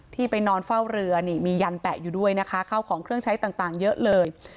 ไปนอนเฝ้าเรือนี่มียันแปะอยู่ด้วยนะคะเข้าของเครื่องใช้ต่างเยอะเลย